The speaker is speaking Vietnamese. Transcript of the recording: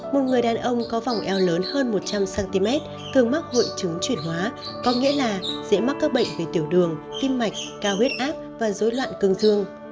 một người đàn ông có vòng eo lớn hơn một trăm linh cm thường mắc hội chứng chuyển hóa có nghĩa là dễ mắc các bệnh về tiểu đường tim mạch cao huyết áp và dối loạn cương dương